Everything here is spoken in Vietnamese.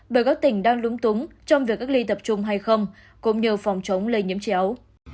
bởi các tỉnh đang lúng túng trong việc cách ly tập trung hay không cũng như phòng chống lây nhiễm chéo